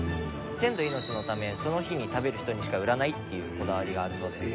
鮮度命のためその日に食べる人にしか売らないっていうこだわりがあるそうです。